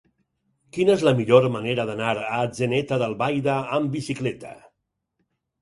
Quina és la millor manera d'anar a Atzeneta d'Albaida amb bicicleta?